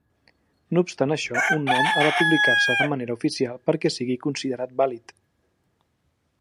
No obstant això un nom ha de publicar-se de manera oficial perquè sigui considerat vàlid.